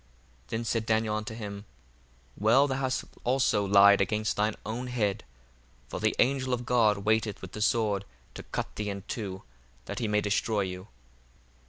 1:59 Then said Daniel unto him, Well; thou hast also lied against thine own head: for the angel of God waiteth with the sword to cut thee in two, that he may destroy you.